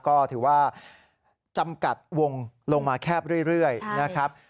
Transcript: ก็ถือว่าจำกัดวงลงมาแคบเรื่อยนะครับ